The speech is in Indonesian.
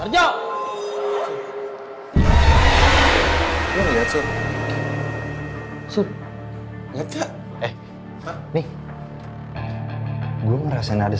jok jangan jangan